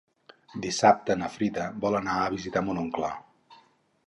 Dissabte na Frida vol anar a visitar mon oncle.